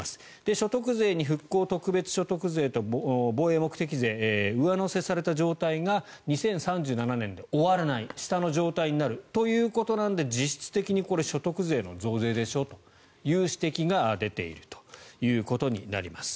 所得税に復興特別所得税と防衛目的税、上乗せされた状態が２０３７年で終わらない下の状態になるということなので実質的に所得税の増税でしょという指摘が出ていることになります。